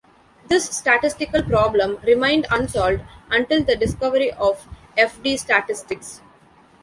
This statistical problem remained unsolved until the discovery of F-D statistics.